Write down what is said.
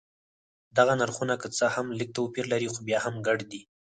دغه نرخونه که څه هم لږ توپیر لري خو بیا هم ګډ دي.